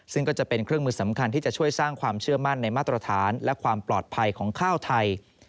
ซึ่งก็จะเป็นเครื่องมือสำคัญที่จะช่วยสร้างความเชื่อมั่นในมาตรฐานและความปลอดภัยของข้าวไทย